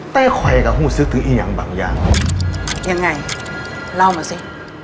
แต่ค่อยก็พูดซึ้งถึงอีกอย่างบางอย่างยังไงเล่ามาสิ